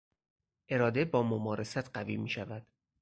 اراده با ممارست قوی میشود.